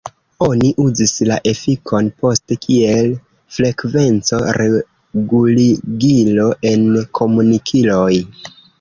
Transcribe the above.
Oni uzis la efikon poste kiel frekvenco-reguligilo en komunikiloj.